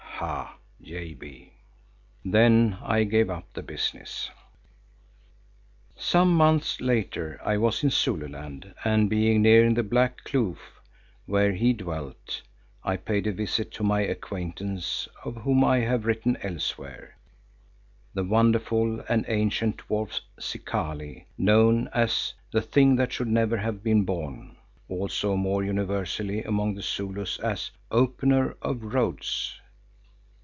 [Ha!—JB] Then I gave up the business. Some months later I was in Zululand and being near the Black Kloof where he dwelt, I paid a visit to my acquaintance of whom I have written elsewhere, the wonderful and ancient dwarf, Zikali, known as "The Thing that should never have been born," also more universally among the Zulus as "Opener of Roads."